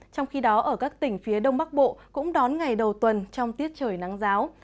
trong khi đó ở các tỉnh phía đông bắc bộ cũng đón ngày đầu tuần trong tiết trời nắng giáo